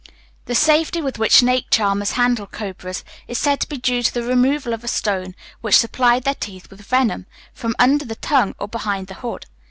The safety with which snake charmers handle cobras is said to be due to the removal of a stone, which supplied their teeth with venom, from under the tongue or behind the hood.